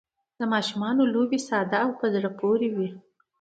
د ماشومانو لوبې ساده او په زړه پورې وي.